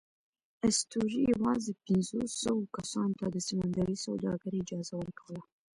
اسطورې یواځې پینځوسوو کسانو ته د سمندري سوداګرۍ اجازه ورکوله.